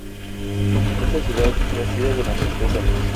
En esta última ciudad reside durante tres años.